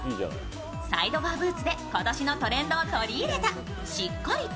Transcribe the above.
サイドゴアブーツで今年のトレンドを取り入れたしっかり年